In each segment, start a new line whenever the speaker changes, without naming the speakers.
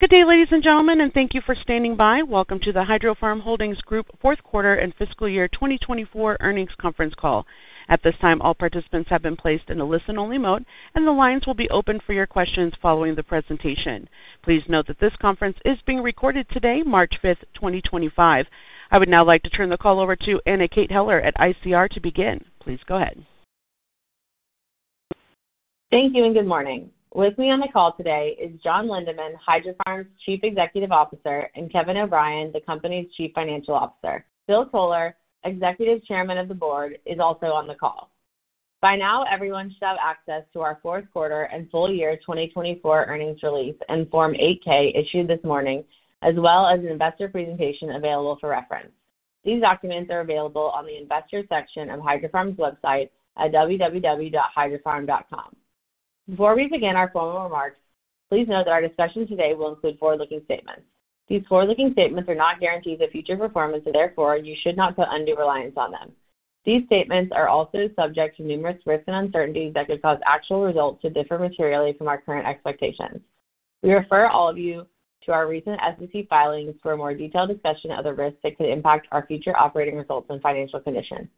Good day, ladies and gentlemen, and thank you for standing by. Welcome to the Hydrofarm Holdings Group fourth quarter and fiscal year 2024 earnings conference call. At this time, all participants have been placed in the listen-only mode, and the lines will be open for your questions following the presentation. Please note that this conference is being recorded today, March 5th, 2025. I would now like to turn the call over to Anna Kate Heller at ICR to begin. Please go ahead.
Thank you, and good morning. With me on the call today is John Lindeman, Hydrofarm's Chief Executive Officer, and Kevin O'Brien, the company's Chief Financial Officer. Bill Toler, Executive Chairman of the Board, is also on the call. By now, everyone should have access to our Fourth Quarter and Full Year 2024 Earnings Release and Form 8-K issued this morning, as well as an investor presentation available for reference. These documents are available on the Investor section of Hydrofarm's website at www.hydrofarm.com. Before we begin our formal remarks, please note that our discussion today will include forward-looking statements. These forward-looking statements are not guarantees of future performance, and therefore you should not put undue reliance on them. These statements are also subject to numerous risks and uncertainties that could cause actual results to differ materially from our current expectations. We refer all of you to our recent SEC filings for a more detailed discussion of the risks that could impact our future operating results and financial conditions.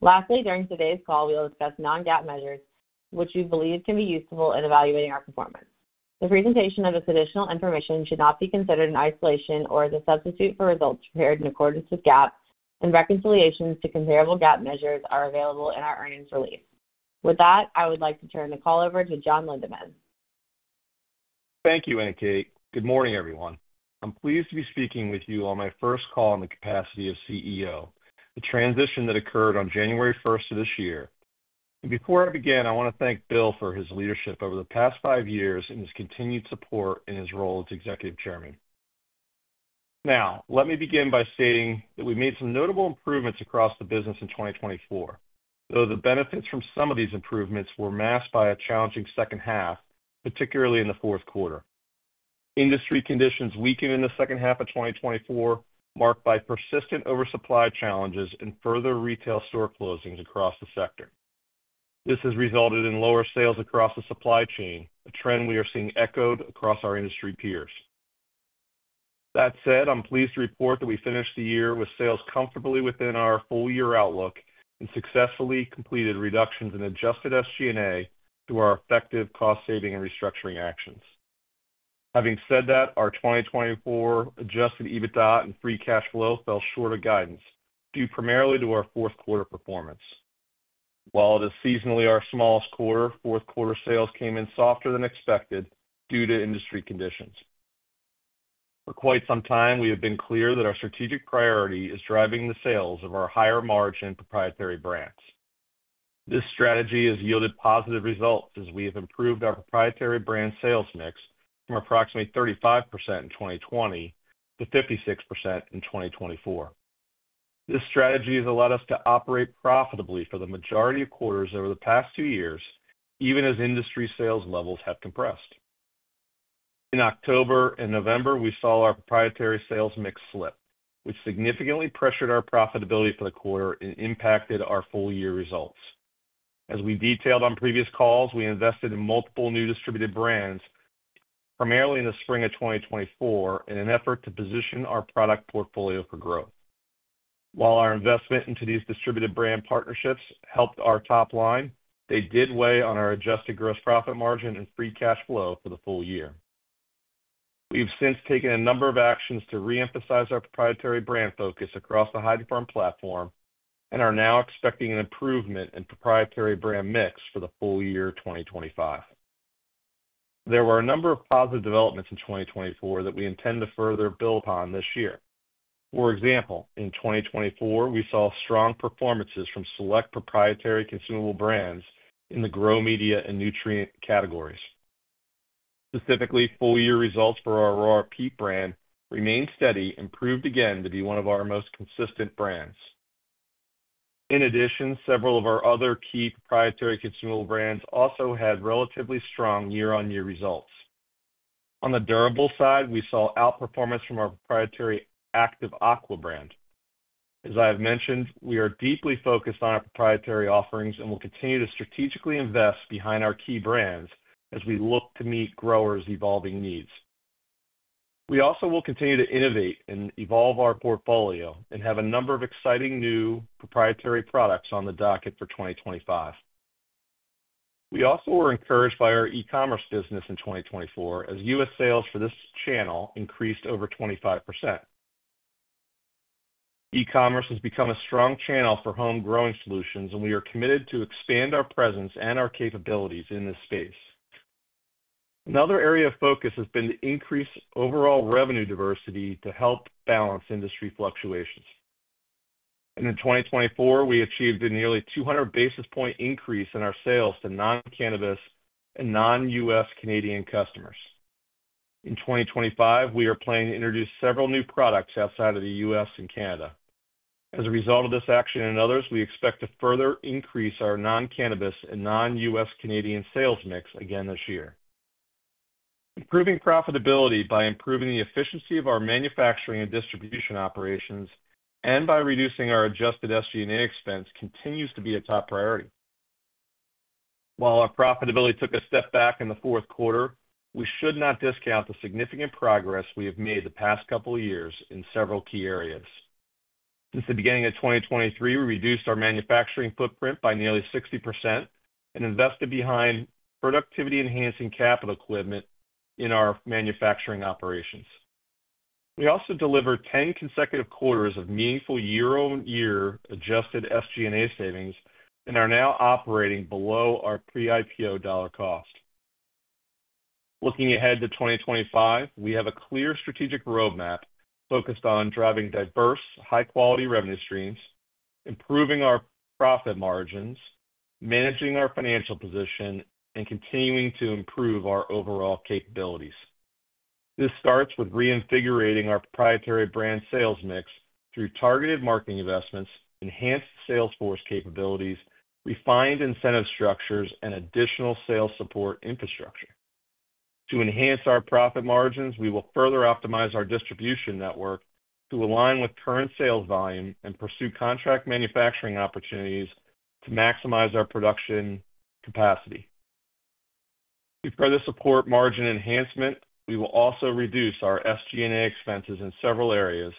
Lastly, during today's call, we'll discuss non-GAAP measures, which we believe can be useful in evaluating our performance. The presentation of this additional information should not be considered in isolation or as a substitute for results prepared in accordance with GAAP, and reconciliations to comparable GAAP measures are available in our earnings release. With that, I would like to turn the call over to John Lindeman.
Thank you, Anna Kate. Good morning, everyone. I'm pleased to be speaking with you on my first call in the capacity of CEO, a transition that occurred on January 1st of this year. Before I begin, I want to thank Bill for his leadership over the past five years and his continued support in his role as Executive Chairman. Let me begin by stating that we made some notable improvements across the business in 2024, though the benefits from some of these improvements were masked by a challenging second half, particularly in the fourth quarter. Industry conditions weakened in the second half of 2024, marked by persistent oversupply challenges and further retail store closings across the sector. This has resulted in lower sales across the supply chain, a trend we are seeing echoed across our industry peers. That said, I'm pleased to report that we finished the year with sales comfortably within our full-year outlook and successfully completed reductions in adjusted SG&A through our effective cost-saving and restructuring actions. Having said that, our 2024 Adjusted EBITDA and free cash flow fell short of guidance, due primarily to our fourth quarter performance. While it is seasonally our smallest quarter, fourth quarter sales came in softer than expected due to industry conditions. For quite some time, we have been clear that our strategic priority is driving the sales of our higher-margin proprietary brands. This strategy has yielded positive results as we have improved our proprietary brand sales mix from approximately 35% in 2020 to 56% in 2024. This strategy has allowed us to operate profitably for the majority of quarters over the past two years, even as industry sales levels have compressed. In October and November, we saw our proprietary sales mix slip, which significantly pressured our profitability for the quarter and impacted our full-year results. As we detailed on previous calls, we invested in multiple new distributed brands, primarily in the spring of 2024, in an effort to position our product portfolio for growth. While our investment into these distributed brand partnerships helped our top line, they did weigh on our adjusted gross profit margin and free cash flow for the full year. We've since taken a number of actions to reemphasize our proprietary brand focus across the Hydrofarm platform and are now expecting an improvement in proprietary brand mix for the full year 2025. There were a number of positive developments in 2024 that we intend to further build upon this year. For example, in 2024, we saw strong performances from select proprietary consumable brands in the grow media and nutrient categories. Specifically, full-year results for our RRP brand remained steady and proved again to be one of our most consistent brands. In addition, several of our other key proprietary consumable brands also had relatively strong year-on-year results. On the durable side, we saw outperformance from our proprietary Active Aqua brand. As I have mentioned, we are deeply focused on our proprietary offerings and will continue to strategically invest behind our key brands as we look to meet growers' evolving needs. We also will continue to innovate and evolve our portfolio and have a number of exciting new proprietary products on the docket for 2025. We also were encouraged by our e-commerce business in 2024 as U.S. sales for this channel increased over 25%. E-commerce has become a strong channel for home growing solutions, and we are committed to expand our presence and our capabilities in this space. Another area of focus has been to increase overall revenue diversity to help balance industry fluctuations. In 2024, we achieved a nearly 200 basis point increase in our sales to non-cannabis and non-U.S. Canadian customers. In 2025, we are planning to introduce several new products outside of the U.S. and Canada. As a result of this action and others, we expect to further increase our non-cannabis and non-U.S. Canadian sales mix again this year. Improving profitability by improving the efficiency of our manufacturing and distribution operations and by reducing our adjusted SG&A expense continues to be a top priority. While our profitability took a step back in the fourth quarter, we should not discount the significant progress we have made the past couple of years in several key areas. Since the beginning of 2023, we reduced our manufacturing footprint by nearly 60% and invested behind productivity-enhancing capital equipment in our manufacturing operations. We also delivered 10 consecutive quarters of meaningful year-on-year adjusted SG&A savings and are now operating below our pre-IPO dollar cost. Looking ahead to 2025, we have a clear strategic roadmap focused on driving diverse, high-quality revenue streams, improving our profit margins, managing our financial position, and continuing to improve our overall capabilities. This starts with reinvigorating our proprietary brand sales mix through targeted marketing investments, enhanced sales force capabilities, refined incentive structures, and additional sales support infrastructure. To enhance our profit margins, we will further optimize our distribution network to align with current sales volume and pursue contract manufacturing opportunities to maximize our production capacity. To further support margin enhancement, we will also reduce our SG&A expenses in several areas,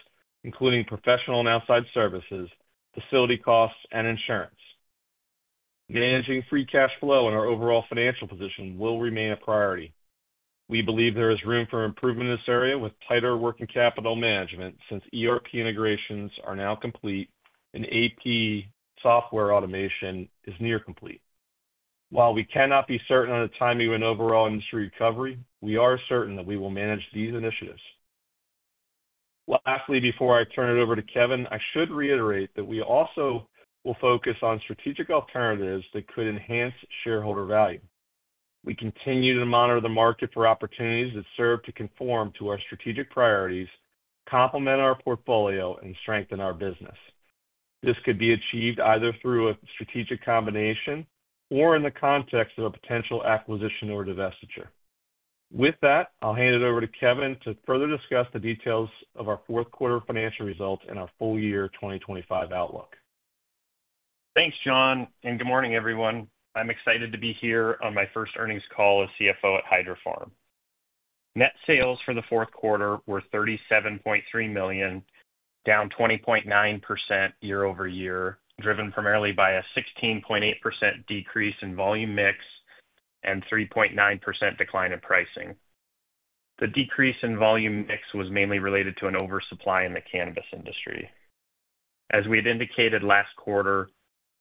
including professional and outside services, facility costs, and insurance. Managing free cash flow and our overall financial position will remain a priority. We believe there is room for improvement in this area with tighter working capital management since ERP integrations are now complete and AP software automation is near complete. While we cannot be certain on the timing of an overall industry recovery, we are certain that we will manage these initiatives. Lastly, before I turn it over to Kevin, I should reiterate that we also will focus on strategic alternatives that could enhance shareholder value. We continue to monitor the market for opportunities that serve to conform to our strategic priorities, complement our portfolio, and strengthen our business. This could be achieved either through a strategic combination or in the context of a potential acquisition or divestiture. With that, I'll hand it over to Kevin to further discuss the details of our fourth quarter financial results and our full year 2025 outlook.
Thanks, John, and good morning, everyone. I'm excited to be here on my first earnings call as CFO at Hydrofarm. Net sales for the fourth quarter were $37.3 million, down 20.9% year-over-year, driven primarily by a 16.8% decrease in volume mix and 3.9% decline in pricing. The decrease in volume mix was mainly related to an oversupply in the cannabis industry. As we had indicated last quarter,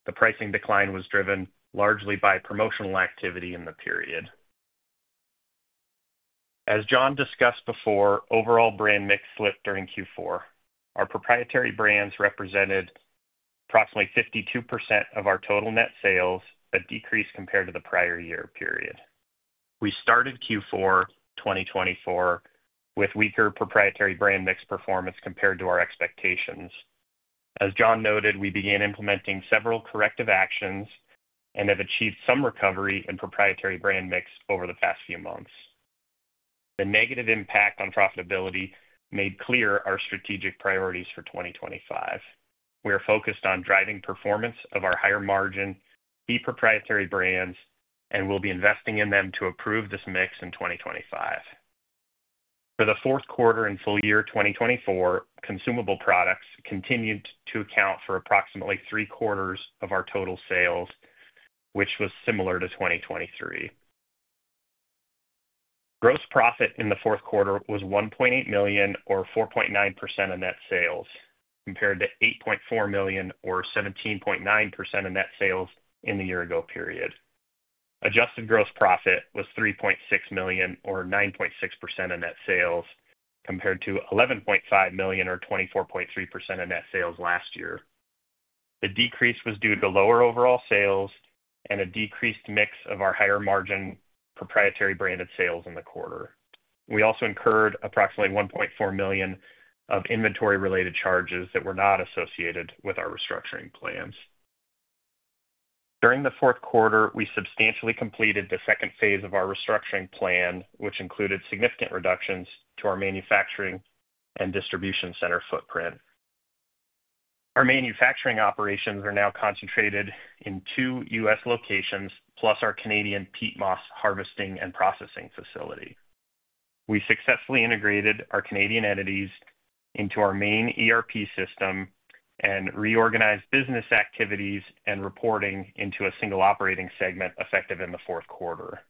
the pricing decline was driven largely by promotional activity in the period. As John discussed before, overall brand mix slipped during Q4. Our proprietary brands represented approximately 52% of our total net sales, a decrease compared to the prior year period. We started Q4 2024 with weaker proprietary brand mix performance compared to our expectations. As John noted, we began implementing several corrective actions and have achieved some recovery in proprietary brand mix over the past few months. The negative impact on profitability made clear our strategic priorities for 2025. We are focused on driving performance of our higher-margin, key proprietary brands and will be investing in them to improve this mix in 2025. For the fourth quarter and full year 2024, consumable products continued to account for approximately three-quarters of our total sales, which was similar to 2023. Gross profit in the fourth quarter was $1.8 million, or 4.9% of net sales, compared to $8.4 million, or 17.9% of net sales in the year-ago period. Adjusted gross profit was $3.6 million, or 9.6% of net sales, compared to $11.5 million, or 24.3% of net sales last year. The decrease was due to lower overall sales and a decreased mix of our higher-margin proprietary branded sales in the quarter. We also incurred approximately $1.4 million of inventory-related charges that were not associated with our restructuring plans. During the fourth quarter, we substantially completed the second phase of our restructuring plan, which included significant reductions to our manufacturing and distribution center footprint. Our manufacturing operations are now concentrated in two U.S. locations, plus our Canadian peat moss harvesting and processing facility. We successfully integrated our Canadian entities into our main ERP system and reorganized business activities and reporting into a single operating segment effective in the fourth quarter.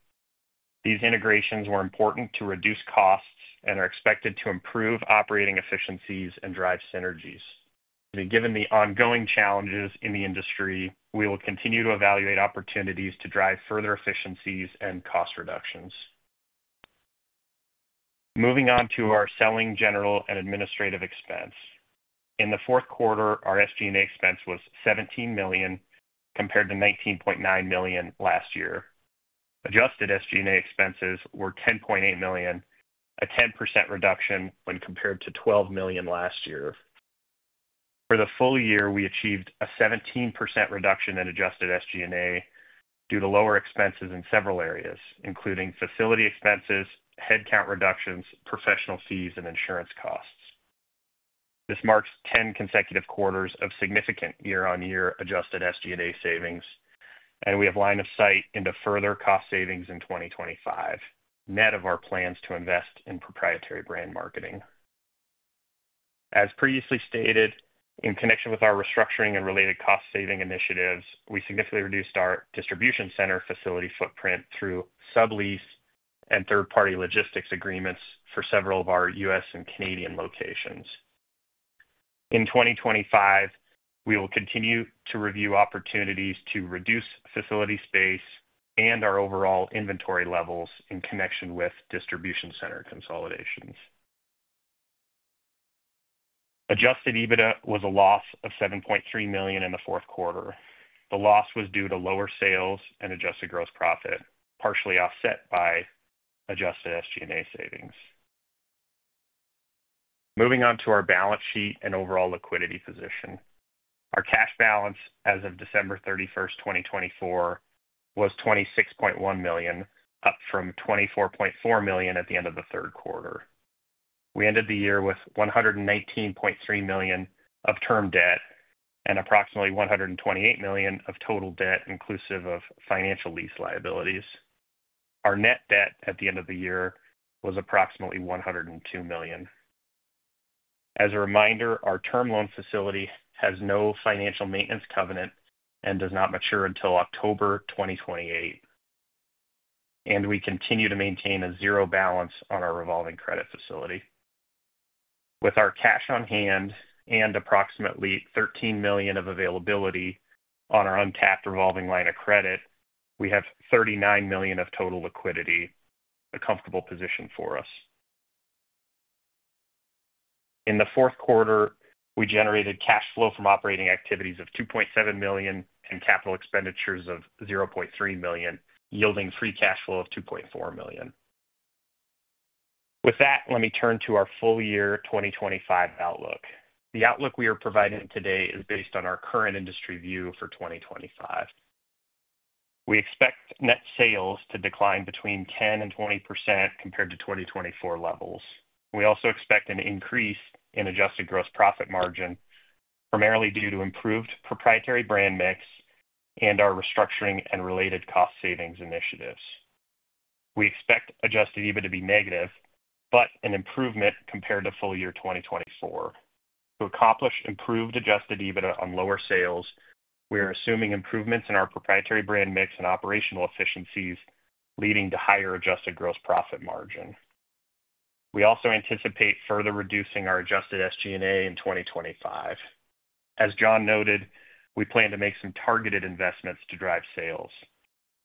These integrations were important to reduce costs and are expected to improve operating efficiencies and drive synergies. Given the ongoing challenges in the industry, we will continue to evaluate opportunities to drive further efficiencies and cost reductions. Moving on to our selling general and administrative expense. In the fourth quarter, our SG&A expense was $17 million, compared to $19.9 million last year. Adjusted SG&A expenses were $10.8 million, a 10% reduction when compared to $12 million last year. For the full year, we achieved a 17% reduction in adjusted SG&A due to lower expenses in several areas, including facility expenses, headcount reductions, professional fees, and insurance costs. This marks 10 consecutive quarters of significant year-on-year adjusted SG&A savings, and we have line of sight into further cost savings in 2025, net of our plans to invest in proprietary brand marketing. As previously stated, in connection with our restructuring and related cost-saving initiatives, we significantly reduced our distribution center facility footprint through sub-lease and third-party logistics agreements for several of our U.S. and Canadian locations. In 2025, we will continue to review opportunities to reduce facility space and our overall inventory levels in connection with distribution center consolidations. Adjusted EBITDA was a loss of $7.3 million in the fourth quarter. The loss was due to lower sales and adjusted gross profit, partially offset by adjusted SG&A savings. Moving on to our balance sheet and overall liquidity position. Our cash balance as of December 31, 2024, was $26.1 million, up from $24.4 million at the end of the third quarter. We ended the year with $119.3 million of term debt and approximately $128 million of total debt, inclusive of financial lease liabilities. Our net debt at the end of the year was approximately $102 million. As a reminder, our term loan facility has no financial maintenance covenant and does not mature until October 2028, and we continue to maintain a zero balance on our revolving credit facility. With our cash on hand and approximately $13 million of availability on our untapped revolving line of credit, we have $39 million of total liquidity, a comfortable position for us. In the fourth quarter, we generated cash flow from operating activities of $2.7 million and capital expenditures of $0.3 million, yielding free cash flow of $2.4 million. With that, let me turn to our full year 2025 outlook. The outlook we are providing today is based on our current industry view for 2025. We expect net sales to decline between 10% and 20% compared to 2024 levels. We also expect an increase in adjusted gross profit margin, primarily due to improved proprietary brand mix and our restructuring and related cost savings initiatives. We expect Adjusted EBITDA to be negative, but an improvement compared to full year 2024. To accomplish improved Adjusted EBITDA on lower sales, we are assuming improvements in our proprietary brand mix and operational efficiencies, leading to higher adjusted gross profit margin. We also anticipate further reducing our adjusted SG&A in 2025. As John noted, we plan to make some targeted investments to drive sales.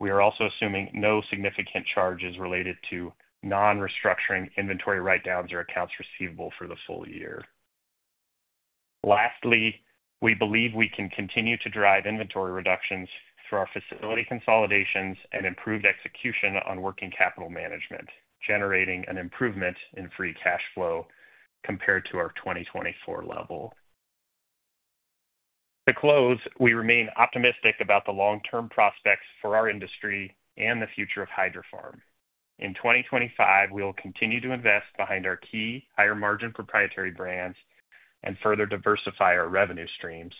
We are also assuming no significant charges related to non-restructuring inventory write-downs or accounts receivable for the full year. Lastly, we believe we can continue to drive inventory reductions through our facility consolidations and improved execution on working capital management, generating an improvement in free cash flow compared to our 2024 level. To close, we remain optimistic about the long-term prospects for our industry and the future of Hydrofarm. In 2025, we will continue to invest behind our key higher-margin proprietary brands and further diversify our revenue streams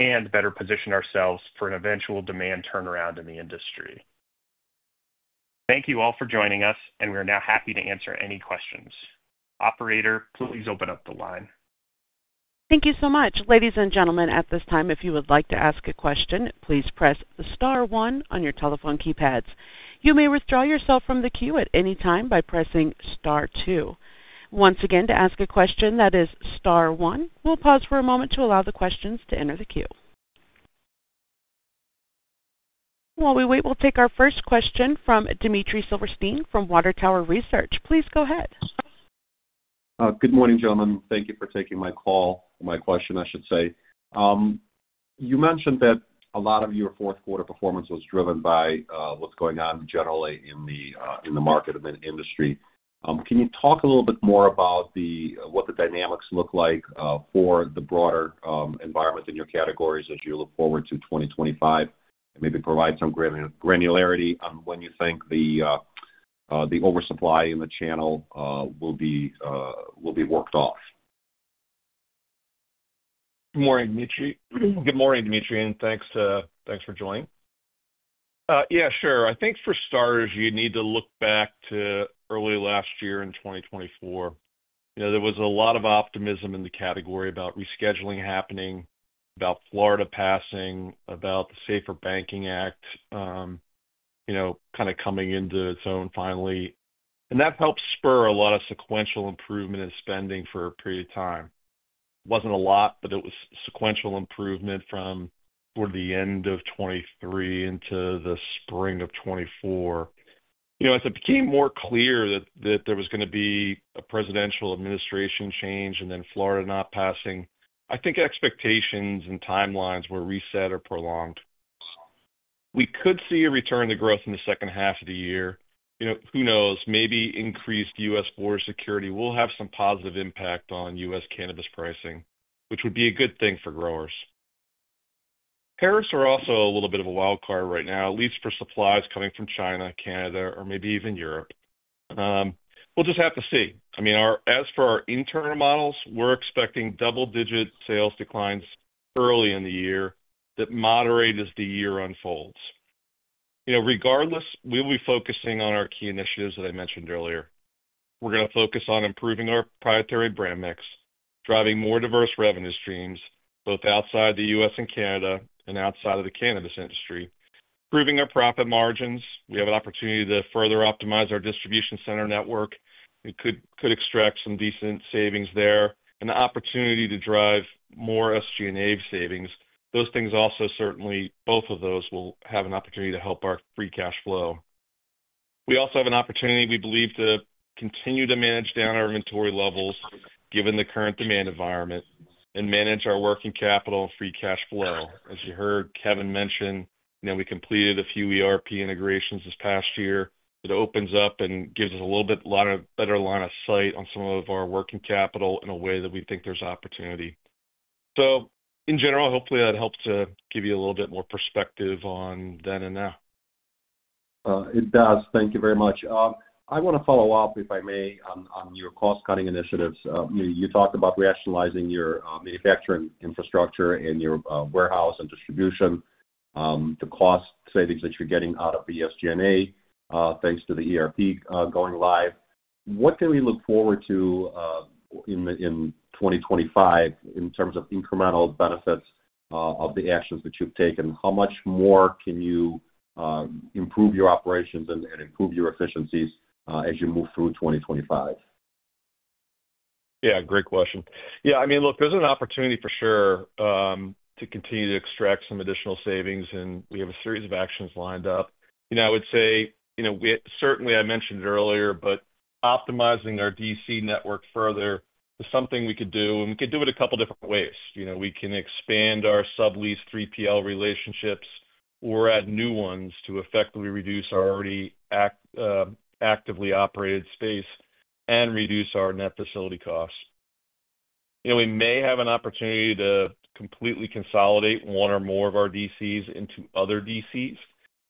and better position ourselves for an eventual demand turnaround in the industry. Thank you all for joining us, and we are now happy to answer any questions. Operator, please open up the line.
Thank you so much. Ladies and gentlemen, at this time, if you would like to ask a question, please press the star one on your telephone keypads. You may withdraw yourself from the queue at any time by pressing star two. Once again, to ask a question, that is star one. We'll pause for a moment to allow the questions to enter the queue. While we wait, we'll take our first question from Dmitry Silversteyn from Water Tower Research. Please go ahead.
Good morning, gentlemen. Thank you for taking my call, my question, I should say. You mentioned that a lot of your fourth quarter performance was driven by what's going on generally in the market and the industry. Can you talk a little bit more about what the dynamics look like for the broader environment in your categories as you look forward to 2025, and maybe provide some granularity on when you think the oversupply in the channel will be worked off?
Good morning, Dmitry. Good morning, Dmitry, and thanks for joining. Yeah, sure. I think for starters, you need to look back to early last year in 2024. There was a lot of optimism in the category about rescheduling happening, about Florida passing, about the SAFER Banking Act kind of coming into its own finally. That helped spur a lot of sequential improvement in spending for a period of time. It wasn't a lot, but it was sequential improvement from toward the end of 2023 into the spring of 2024. As it became more clear that there was going to be a presidential administration change and then Florida not passing, I think expectations and timelines were reset or prolonged. We could see a return to growth in the second half of the year. Who knows? Maybe increased U.S. border security will have some positive impact on U.S. cannabis pricing, which would be a good thing for growers. Tariffs are also a little bit of a wild card right now, at least for supplies coming from China, Canada, or maybe even Europe. We'll just have to see. I mean, as for our internal models, we're expecting double-digit sales declines early in the year that moderate as the year unfolds. Regardless, we will be focusing on our key initiatives that I mentioned earlier. We're going to focus on improving our proprietary brand mix, driving more diverse revenue streams both outside the U.S. and Canada and outside of the cannabis industry, improving our profit margins. We have an opportunity to further optimize our distribution center network. We could extract some decent savings there and the opportunity to drive more SG&A savings. Those things also certainly, both of those will have an opportunity to help our free cash flow. We also have an opportunity, we believe, to continue to manage down our inventory levels given the current demand environment and manage our working capital and free cash flow. As you heard Kevin mention, we completed a few ERP integrations this past year. It opens up and gives us a little bit better line of sight on some of our working capital in a way that we think there's opportunity. In general, hopefully that helps to give you a little bit more perspective on then and now.
It does. Thank you very much. I want to follow up, if I may, on your cost-cutting initiatives. You talked about rationalizing your manufacturing infrastructure and your warehouse and distribution, the cost savings that you're getting out of the SG&A thanks to the ERP going live. What can we look forward to in 2025 in terms of incremental benefits of the actions that you've taken? How much more can you improve your operations and improve your efficiencies as you move through 2025?
Yeah, great question. Yeah, I mean, look, there's an opportunity for sure to continue to extract some additional savings, and we have a series of actions lined up. I would say, certainly, I mentioned it earlier, but optimizing our DC network further is something we could do, and we could do it a couple of different ways. We can expand our sub-lease 3PL relationships or add new ones to effectively reduce our already actively operated space and reduce our net facility costs. We may have an opportunity to completely consolidate one or more of our DCs into other DCs.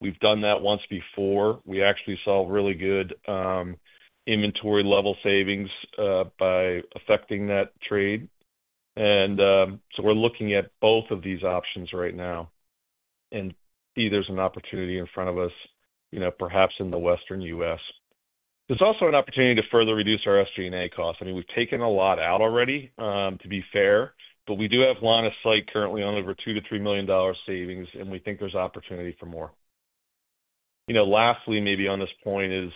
We've done that once before. We actually saw really good inventory level savings by affecting that trade. I mean, we're looking at both of these options right now, and see there's an opportunity in front of us, perhaps in the Western U.S. There's also an opportunity to further reduce our SG&A costs. I mean, we've taken a lot out already, to be fair, but we do have line of sight currently on over $2 million-$3 million savings, and we think there's opportunity for more. Lastly, maybe on this point, is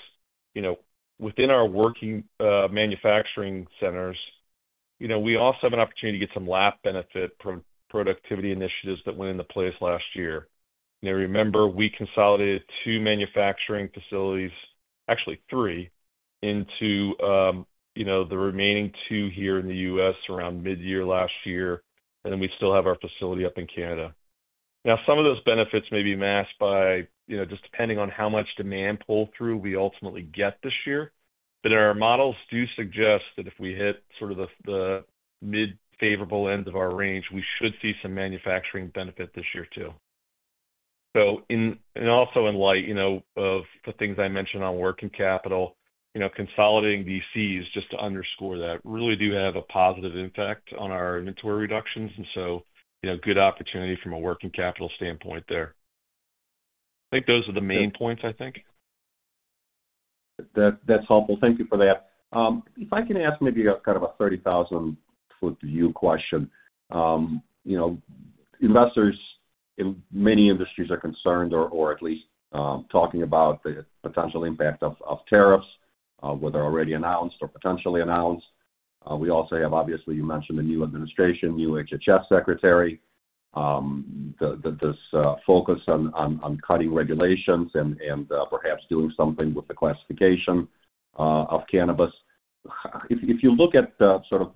within our working manufacturing centers, we also have an opportunity to get some lap benefit from productivity initiatives that went into place last year. Remember, we consolidated two manufacturing facilities, actually three, into the remaining two here in the U.S. around mid-year last year, and then we still have our facility up in Canada. Now, some of those benefits may be masked by just depending on how much demand pull-through we ultimately get this year. Our models do suggest that if we hit sort of the mid-favorable end of our range, we should see some manufacturing benefit this year too. Also in light of the things I mentioned on working capital, consolidating DCs, just to underscore that, really do have a positive impact on our inventory reductions, and so good opportunity from a working capital standpoint there. I think those are the main points, I think.
That's helpful. Thank you for that. If I can ask maybe a kind of a 30,000-foot view question, investors in many industries are concerned, or at least talking about the potential impact of tariffs, whether already announced or potentially announced. We also have, obviously, you mentioned the new administration, new HHS secretary, this focus on cutting regulations and perhaps doing something with the classification of cannabis. If you look at sort of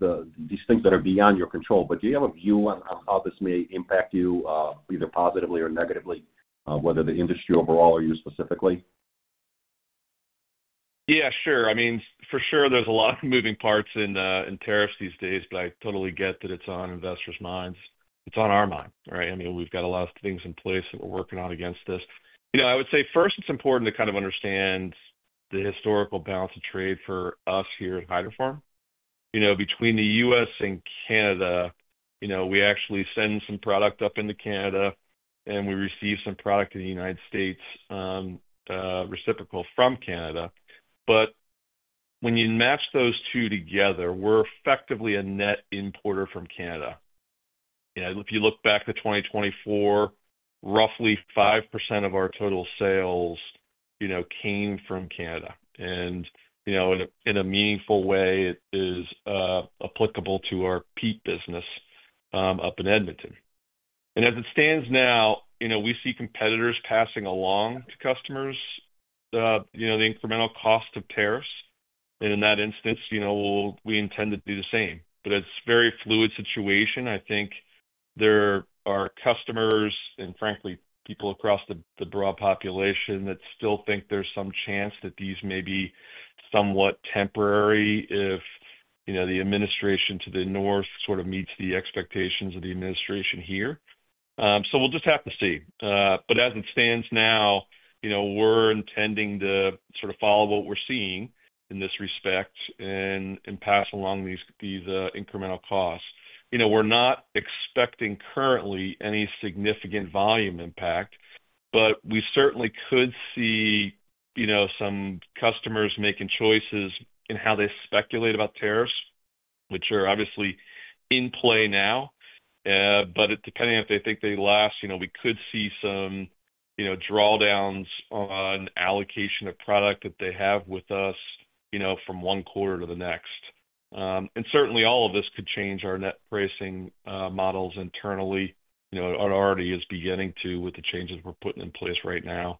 these things that are beyond your control, but do you have a view on how this may impact you either positively or negatively, whether the industry overall or you specifically?
Yeah, sure. I mean, for sure, there's a lot of moving parts in tariffs these days, but I totally get that it's on investors' minds. It's on our mind, right? I mean, we've got a lot of things in place that we're working on against this. I would say first, it's important to kind of understand the historical balance of trade for us here at Hydrofarm. Between the U.S. and Canada, we actually send some product up into Canada, and we receive some product in the United States reciprocal from Canada. When you match those two together, we're effectively a net importer from Canada. If you look back to 2024, roughly 5% of our total sales came from Canada. In a meaningful way, it is applicable to our peat business up in Edmonton. As it stands now, we see competitors passing along to customers the incremental cost of tariffs. In that instance, we intend to do the same. It is a very fluid situation. I think there are customers and, frankly, people across the broad population that still think there is some chance that these may be somewhat temporary if the administration to the north sort of meets the expectations of the administration here. We will just have to see. As it stands now, we are intending to sort of follow what we are seeing in this respect and pass along these incremental costs. We are not expecting currently any significant volume impact, but we certainly could see some customers making choices in how they speculate about tariffs, which are obviously in play now. Depending on if they think they last, we could see some drawdowns on allocation of product that they have with us from one quarter to the next. Certainly, all of this could change our net pricing models internally. It already is beginning to with the changes we're putting in place right now.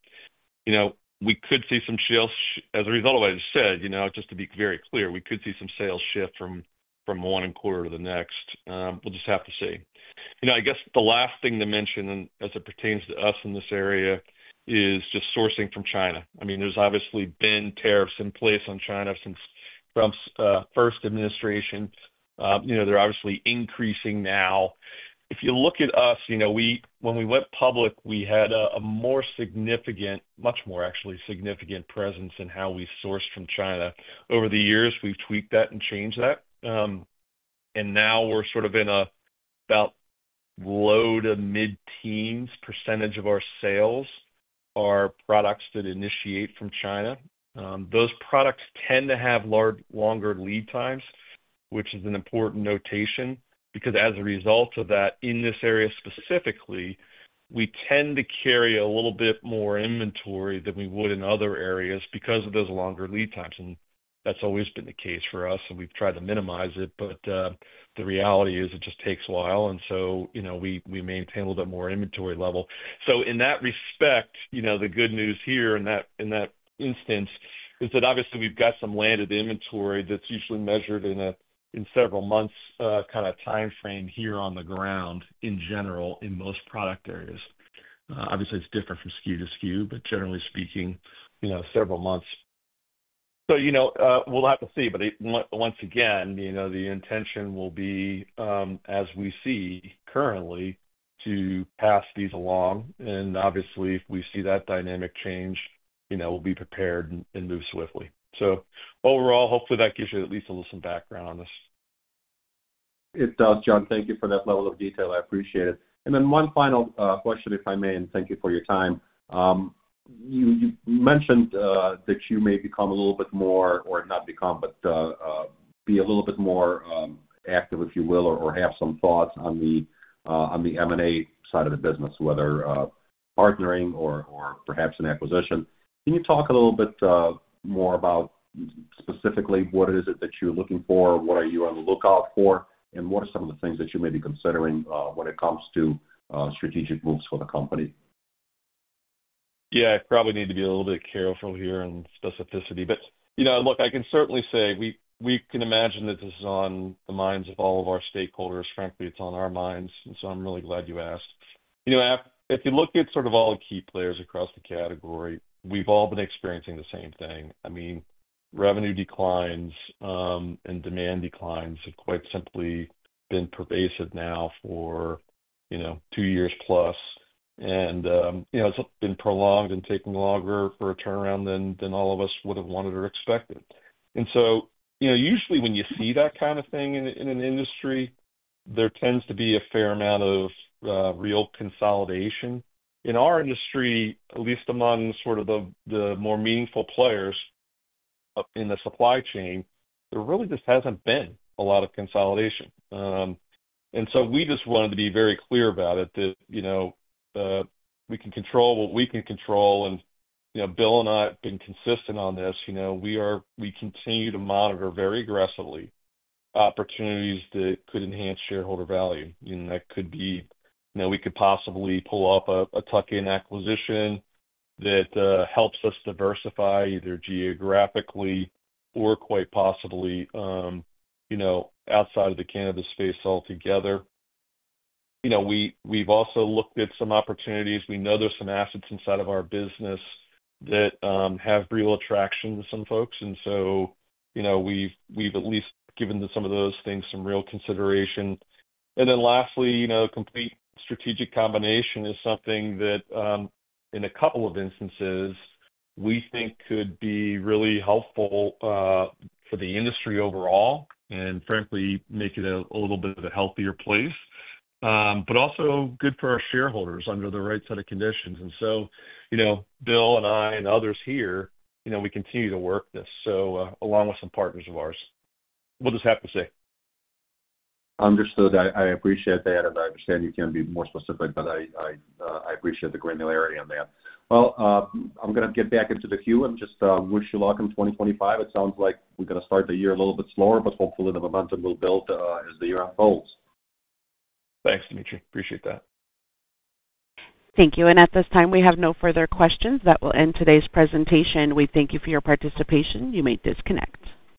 We could see some sales as a result of what I just said, just to be very clear, we could see some sales shift from one quarter to the next. We'll just have to see. I guess the last thing to mention as it pertains to us in this area is just sourcing from China. I mean, there's obviously been tariffs in place on China since Trump's first administration. They're obviously increasing now. If you look at us, when we went public, we had a more significant, much more actually significant presence in how we sourced from China. Over the years, we've tweaked that and changed that. Now we're sort of in about low to mid-teens % of our sales are products that initiate from China. Those products tend to have longer lead times, which is an important notation because as a result of that, in this area specifically, we tend to carry a little bit more inventory than we would in other areas because of those longer lead times. That's always been the case for us, and we've tried to minimize it. The reality is it just takes a while, and so we maintain a little bit more inventory level. In that respect, the good news here in that instance is that obviously we've got some landed inventory that's usually measured in several months kind of timeframe here on the ground in general in most product areas. Obviously, it's different from SKU to SKU, but generally speaking, several months. We'll have to see. Once again, the intention will be, as we see currently, to pass these along. Obviously, if we see that dynamic change, we'll be prepared and move swiftly. Overall, hopefully that gives you at least a little some background on this.
It does, John. Thank you for that level of detail. I appreciate it. One final question, if I may, and thank you for your time. You mentioned that you may become a little bit more, or not become, but be a little bit more active, if you will, or have some thoughts on the M&A side of the business, whether partnering or perhaps an acquisition. Can you talk a little bit more about specifically what it is that you're looking for, what are you on the lookout for, and what are some of the things that you may be considering when it comes to strategic moves for the company?
Yeah, I probably need to be a little bit careful here in specificity. Look, I can certainly say we can imagine that this is on the minds of all of our stakeholders. Frankly, it's on our minds. I'm really glad you asked. If you look at sort of all the key players across the category, we've all been experiencing the same thing. I mean, revenue declines and demand declines have quite simply been pervasive now for two years plus. It's been prolonged and taking longer for a turnaround than all of us would have wanted or expected. Usually when you see that kind of thing in an industry, there tends to be a fair amount of real consolidation. In our industry, at least among sort of the more meaningful players in the supply chain, there really just hasn't been a lot of consolidation. We just wanted to be very clear about it that we can control what we can control. Bill and I have been consistent on this. We continue to monitor very aggressively opportunities that could enhance shareholder value. That could be we could possibly pull up a tuck-in acquisition that helps us diversify either geographically or quite possibly outside of the cannabis space altogether. We've also looked at some opportunities. We know there's some assets inside of our business that have real attraction to some folks. We've at least given some of those things some real consideration. Lastly, complete strategic combination is something that in a couple of instances, we think could be really helpful for the industry overall and frankly make it a little bit of a healthier place, but also good for our shareholders under the right set of conditions. Bill and I and others here, we continue to work this, so along with some partners of ours. We'll just have to see.
Understood. I appreciate that. I understand you can be more specific, but I appreciate the granularity on that. I am going to get back into the queue. I just wish you luck in 2025. It sounds like we are going to start the year a little bit slower, but hopefully the momentum will build as the year unfolds.
Thanks, Dmitry Appreciate that.
Thank you. At this time, we have no further questions. That will end today's presentation. We thank you for your participation. You may disconnect.